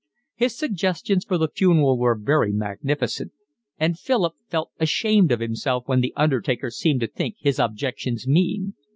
His suggestions for the funeral were very magnificent; and Philip felt ashamed of himself when the undertaker seemed to think his objections mean.